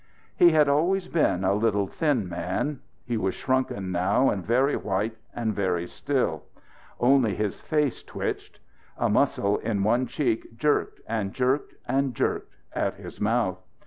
He had always been a little thin man. He was shrunken now and very white and very still. Only his face twitched. A muscle in one cheek jerked and jerked and jerked at his mouth.